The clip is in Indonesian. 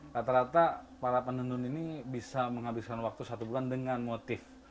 rata rata para penenun ini bisa menghabiskan waktu satu bulan dengan motif